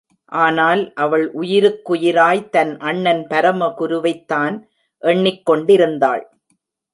ஆனால், அவள் உயிருக்குயிராய் தன் அண்ணன் பரமகுருவைத் தான் எண்ணிக் கொண்டிருந்தாள்.